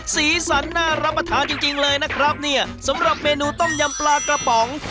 สีสันน่ารับประทานจริงจริงเลยนะครับเนี่ยสำหรับเมนูต้มยำปลากระป๋อง